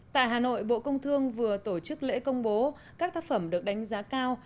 tại hà nội bộ công thương vừa tổ chức lễ công bố các tác phẩm được đánh giá cao